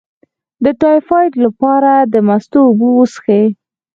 د ټایفایډ لپاره د مستو اوبه وڅښئ